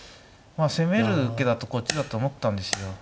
まあ責める受けだとこっちだと思ったんですよ。